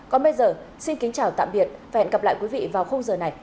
còn bây giờ xin kính chào tạm biệt và hẹn gặp lại quý vị vào khung giờ này